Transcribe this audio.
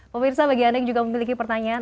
pemirsa bagi anda yang juga memiliki pertanyaan